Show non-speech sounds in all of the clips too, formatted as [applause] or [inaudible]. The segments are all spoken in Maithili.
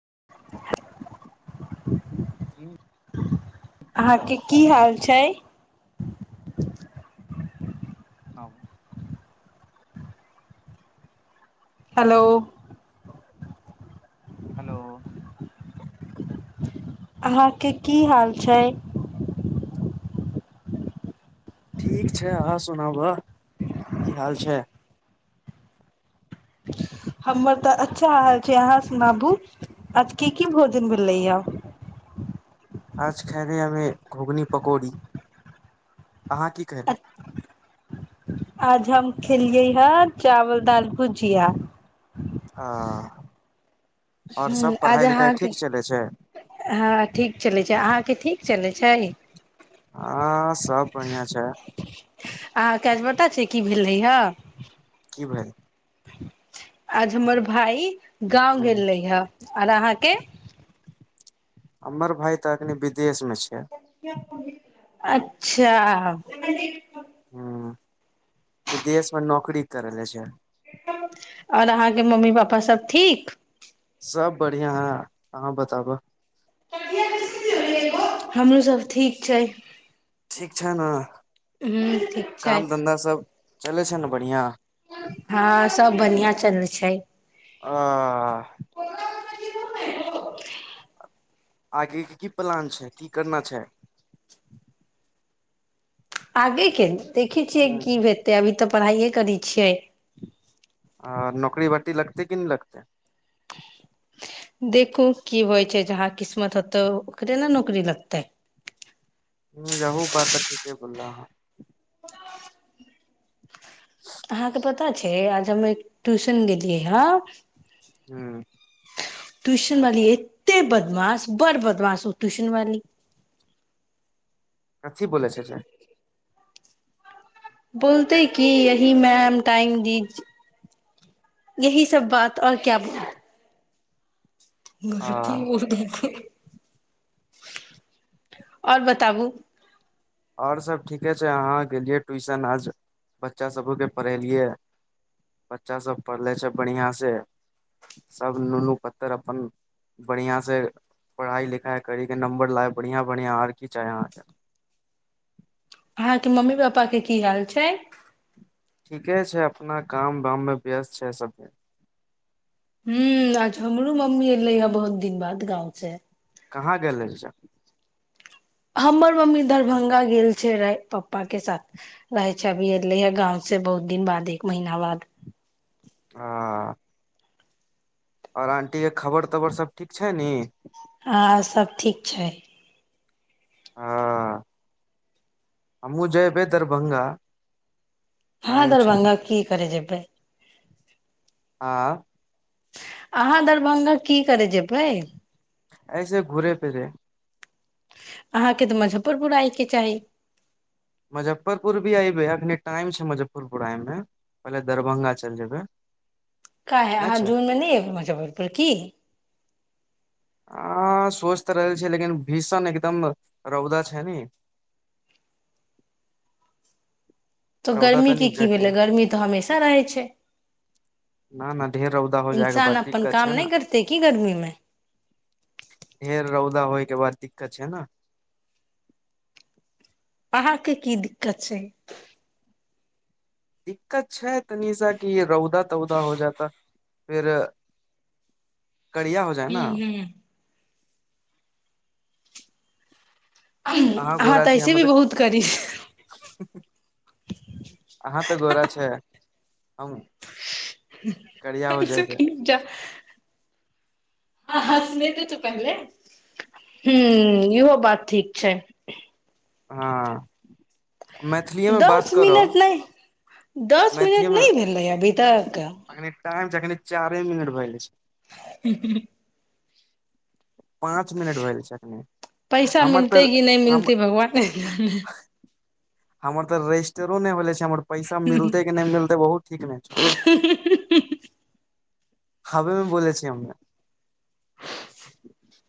[unintelligible] हू अहाँ के की हल छै नबै हेलो हेलो अहाँके की हाल छै ठीक छै अहाँ सुनाबह की हाल छै हमर तऽ अच्छा हाल छै अहाँ सुनाबू आज के की भोजन भेलै य आज खाय रह हमे घुघनी पकौड़ी अहाँ की कहल आज हम खेलियै है चावल दाल भुजिया ह ह आज अहाँके छै हँ ठीक चलैत छै अहाँके ठीक चलैत छै आ सब बढ़िया छै अहाँके काज पता छै की भेल रैयए की भेलोझ आज हमर भाई गाँंव ह गेल रहे हे आओर अहाँके अमर भाइ ताकने विदेश छै अच्छा ह विदेशमे नौकरी करेल छै आओर अहाँके मम्मी पापा सब ठीक सब बढ़िआं है अहाँ बताबऽ हमरोसभ ठीक छै अछ ने ह्म ठीक छै काम धन्धा सब चलै छै ने बढ़िआँ हँ सब बढ़िआ चल छै आ [unintelligible] आगेके की प्लान छै की करना छै आगे के देखै छियै ह की हेतै अभी तऽ पढ़ाइए करै छियै आ नौकरी बाटी लगतै कि नहि लगते देखू की होइ छै जहाँ किस्मत होतौ ओकरे ने नौकरी लगतै ह यहूब बात तऽ ठीके बोला है अहाँके पता छै आज हम एक ट्यूशन गेलियै हँ हँ ्यूशन वाली एते बदमाश बड़ बदमाश हो ्यूशन वाली कथी ब छै से बोलते की यही मैम टाइम दी यह सब बात आऔर क्या घ ह बत आओर बताबू आओर सभ ठीके छै अहाँ गेलियै ट्यूशन आज बच्चाभोकके पढ़ेलियै बच्चासभ पढ़लै छै बढ़िआँसँ सभ नुनू पत्तर अपन बढ़िआँसँ पढ़ाइ लिखाइ कर कऽ नम्बर लाब बढ़िआँ बढ़िआँ आओर की चाही अहाँकेँ अहाँके मम्मी पापा के की हाल छै ठीके छै अपना काम वाममे व्यस्त छै सभमे ह आ हमरो मम्मी एलै हे बहुत दिन बाद गाँव से कहाँ गेल हमर मम्मी दरभंगा गेल छै पप्पा के साथ रहै छै अभी एले हे गाँंव से बहुत दिन बाद एक महीना बाद ह आओर आंटी के खबर तबर सभ ठीक छै न हँ सब ठीक छै ह हम मु जेबै दरभंगा हँ टाइम छै दरभङंगा किी कर जेबै बै आँ अहाँ दरभंगा की करय जेबै ऐसे घुरे फिरे अहाँके तऽ मुजफ्फरपुर आयके चाही मुजफ्फरपुर भी आइ भै अख टाइम छै मुजफ्फरपुरमे पहिले दरभंगा चलि जेबै क है नहि अहाँ छै जूनमे नहि एबै मुजफ्फरपुर की ह सोच तऽ रहल छी लेकिन भीषण एकदम रौदा छै ने तो रौदा गर्मी तनी के की घटे भेलै गर्मी तऽ हमेशा रहै छै न न ढेर रौदा हो जाय के इन्सान बाद अपन दिक्कत छै काम ने नहि करते की गर्मी मे ढेर रौदा होय के बार दिक्कत छै ने अहाँके की दिक्कत छै दिक्कत छै तनी साा कि रौदा तौदा हो जाता फेर करिया हो जाय हूं ने हूं अहाँ घोड़ा छी ऐसे भी हमर तऽ बहुत करी अहाँ तऽ घोड़ा छै हम करिया हो जयबै सुखी जा हँ हँ सुनेते त पहिले ह इहो बात ठीक छै हँ मैथिलीए मे बात दस करऽ मिनट नहि दस मैथिलीए मिनट मे नहि भेलै अभी तक जनि चारि मिनट भैल छै ह पाँच मिनट भेलए छैखनी हमर तऽ हम मिलतै ए भगवाने नहि हमर तऽ रजिस्टरो नहि भेले छै हमर पैसा मिलते कि नहि मिलते बहुत ठीक ने छ हाबमे ब छी हमरा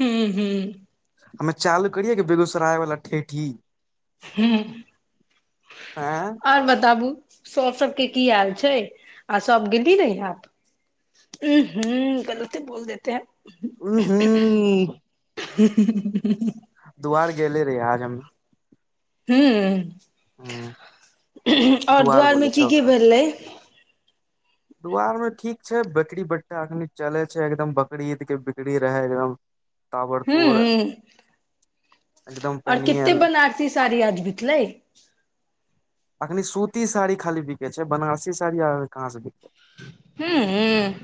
हू हू हमे चालू करियए कि बेगूसराय वालला ठेठी ह आँ आओर बताबू सब सबके की हाल छै आ सब गेली रही आप ह ह गलते बोल देते हैं ह हू ह दुआार गेले रही आज हम हू हूं आओर दुआर बोले दु्वारमे की की भेलै दुआरमे ठीक छै बकरी बटठा एखन चलै छै एकदम बकरी ईदके बिकरी रहै एकदम ताबड़ तर और कते बनार्सी साड़ी आज बीतलै अखनी सूती साड़ी खाली बिकै छै बनारसी साड़ी आ कहाँ से बिकै हूँ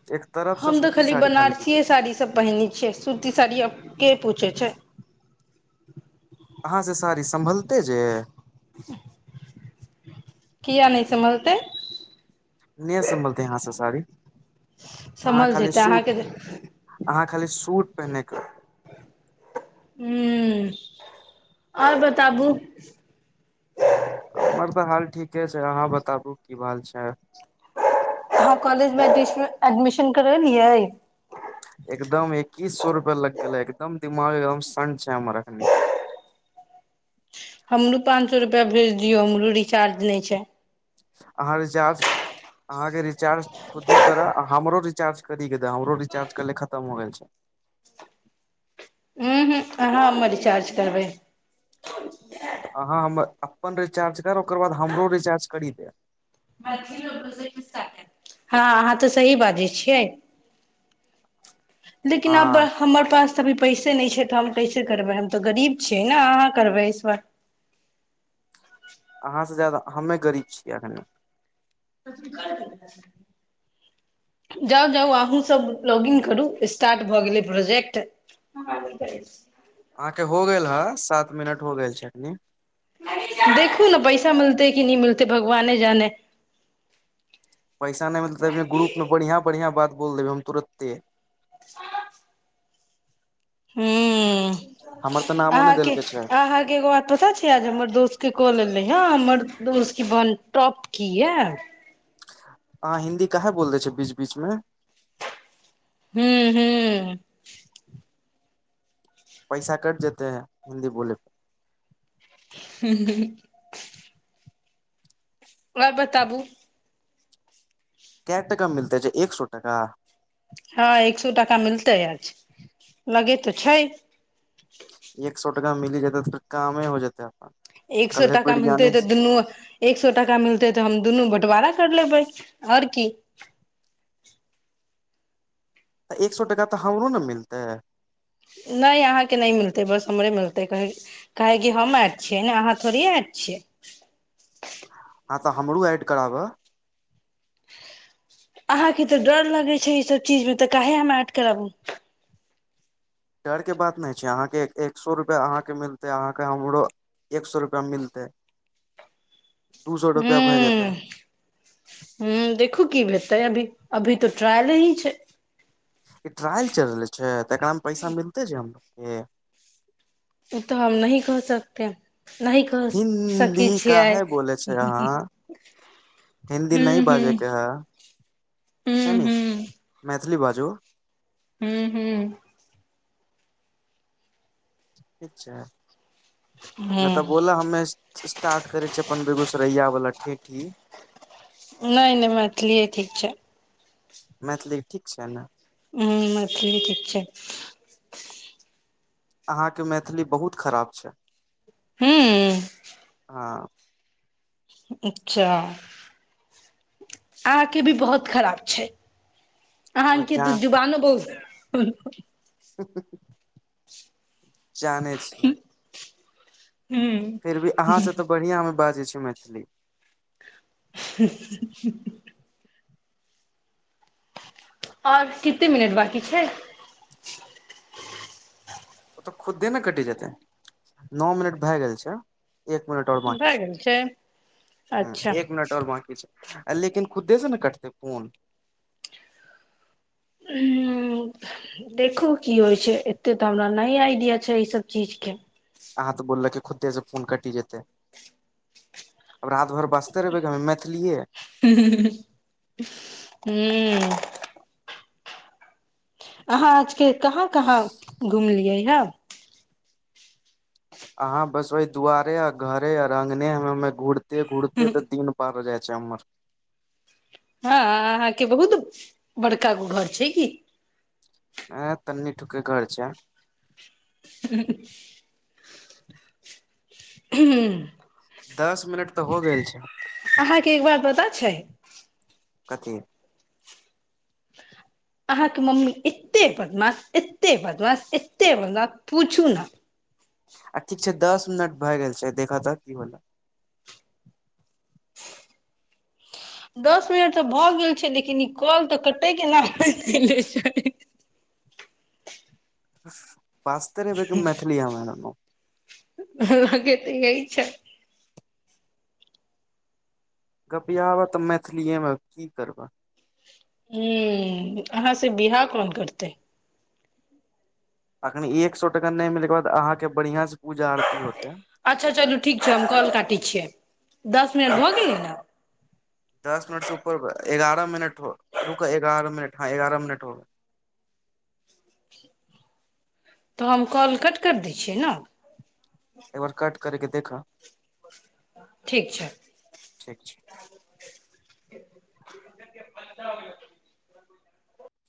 छै एक तरफ से हम तऽ सूती खाली साड़ी बनारसीए साड़ीसभ पहिनने छियै सूती साड़ी आब के पूछै छै ह कहाँ से सारी सम्भलते जे [unintelligible] किएक नहि सम्लतै नहि सम्भलतै अहाँसँ साड़ी अहाँ समझ खाली जेतै अहाँके सूट अहाँ खाली सूट पहिन्नइ करै ह्म आओर बताबू हमर तऽ हाल ठीके छै अहाँ बताबू की भाल छै हँ कॉलज मे टी एऐडमिशन करैल अै एकदम एकीस सए रुपआ लग गेलै एकदम दिमाग एकदम शड छै हमर अखनी हमरो पांच सए रुपआ भेज दियौ हमरो रिचार्ज नहि छै अहाँ रिचार्ज अहाँके रिचार्ज खुदे कर हमरो रिचार्ज कर हमरो रिचार्ज कर खतम हो गेल छै अच करबै अहाँ हम अपन रिचार्ज कर ओकर बाद हमरो रिचार्ज करि देब बछी लोको हँ अहाँ तऽ सही बाजै छियै लेकिन अब हँ हमर पास ी पैसे नहि छै तऽ हम कैसे करबै हम तऽ गरीब छियै ने अहाँ करबै इ बार अहाँ से ज्यादा हमे गरीब छियै एखन जाउ जाउ अहूँ सब लॉग इिन करू स्टार्ट भऽ गेलै प्रोजेक्ट अहाँके हो गेल हे सात मिनट हो गेल चटनी देखू ने पैसा मिलते कि नहि मिलते भगवाने जाने पैसा नहि मिलतैने ग्रुप मे बढ़िया बढ़िया बात बल देब हम तुरते ह हमर तऽ नामो नहि अहाँके देलके छै अहाँके एगो बात पता छै आज हमर दोस्त के कऽ लेले ह हमर उसी बन टॉप की यै अहाँ हिंन्दी काह बोल दै छै बीच बीचमे हू हू पैसा कट जेते हैं हिन्दी बोलै प ह वह बताबू क टका मिलते छै एक सए टाका हँ एक सए टाका मिलतै आज लगे तऽ छै एक सए टा मिली जेतै त फर कमे हो जेतताै एक सए टाका मिलते तऽ दुनू एक सए टाका मिलते तऽ हम दुनू बंटवारक कर लेबै आओर की तऽ एक सए टाका तऽ हम ओरू ने मिलतै नहि अहाँके नहि मिलतै बस हमरे मिलतै कह के कि हम आयत छियै ने अहाँ थोड़े आयत छियै [unintelligible] अहाँके तऽ डर लगैत छै ईसभ चीजमे तऽ काहे हम ऐड कराबू डरके बात नहि छै अहाँके एक सए रुपैआ अहाँके मिलतै अहाँके हमरो एक सए रुपैआ मिलतै दू सए हू रुपआ भए जेतै ह देखू की भेटर तै अभी अभी तऽ ट्रायल ही छै ई ट्रायल चल रहल छै तऽ एकरामे पैसा मिलते छै हमरोके ओ तऽ हम नहिह कह सकते नहिी कह सकै हिन्दी छियै काहे बोले छै अहाँ हिन्दी नहि ह्म ह बाजे के है ह्म हू मजली बाजू हू हू अच्छा नहि तऽ हूँ बोल हमे स्टार्ट करै छियै अपन बेगूसरैय वालला ठेठी नहि नहि मैथिलीए ठीक छै मैथिली ठीक छै ने ह मैथिलली ठीक छै अहाँके मैथिली बहुत खराब छै हँ हँ अच्छा आके भी बहुत खराब छै आ ह के जा त जु बानो बहुत ब ह जानै छियै हूँ फिर भी अहाँ से तऽ बढ़ियां मे बाजै छी मैथिली [inaudible] आओर किते मिनट बकी छै ओ तऽ खुदे ने कटि जेते नओ मिनट भए गेल छै एक मिनट आऔर बकी भए छै गेल अच्छा ह एक मिनट आऔर बकी छै आ लेकिन खुदे से ने कटते फून ह देखू की होइ छै एते तऽ हमरा नहि आइडिया छै ई सब चीज के अहा तऽ बोललक खुद्दे से फोन कटि जेतै आब राति भर बसते रहबै हमे मैथिलीए हू अहाँ आजके कहाँ कहाँ घुमलियै [unintelligible] अहाँ बस ओहि दुआरे आ घरे आ अङ्गने ह घुड़ घुड़ते तऽ दीन पार जइत चर हँ अहाँके बहुत बड़का गो घर छै की ह तनी ूके घर छै ह दस मिनट तऽ हो गेल छै अहाँके एक बात पता छै कतेक अहाँके मम्मी एतेक बदमाश एतेक बदमाश एतेक बदमाश पूछू ने आ ठीक छै दस मिनट भए गेल छै देखऽ तऽ की होल दस मिनट तऽ भऽ गेल छै लेकिन ई कल तऽ कटै केनाै छै ब पास्तरे ब मैथिलथलीिया मैम ब लगे तऽ य छै गपिआबह तऽ मैथिलीएमे की करबह ह अहाँ से बिवाह कोन करतै अखन एक सए टाका नहि मिलयके बाद अहाँके बढ़िआं से पूजा आरती होतै अच्छा चलू ठीक छै हम कॉल काटै छियै दस आ मिनट भऽ गेलै ने दस मिनट से ऊपर एगारह मिनट हो रुक एगारह मिनट हँ एगारह मिनट हो तऽ हम कॉल कट करि दै छियै ने एकबार कट करके देखऽ ठीक छै प ठीक छै